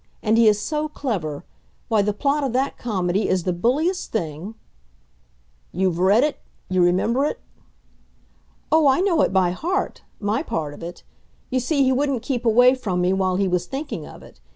And he is so clever; why, the plot of that comedy is the bulliest thing " "You've read it you remember it?" "Oh, I know it by heart my part of it. You see, he wouldn't keep away from me while he was thinking of it.